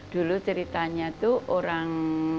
dulu ceritanya itu orang